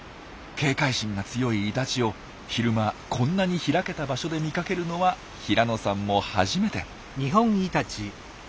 警戒心が強いイタチを昼間こんなに開けた場所で見かけるのは平野さんも初めて。